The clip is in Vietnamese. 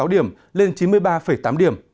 sáu điểm lên chín mươi ba tám điểm